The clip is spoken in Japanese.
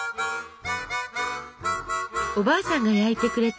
おばあさんが焼いてくれた思い出の味